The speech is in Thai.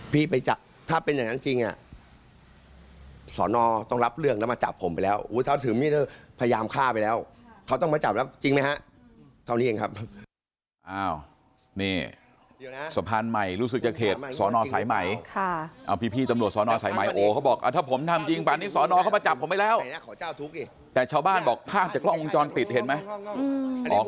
มีคนเค้าเจ๊ว่าที่เคยเอามิดไล่ควันความเองมันจริง